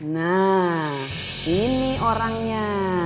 nah ini orangnya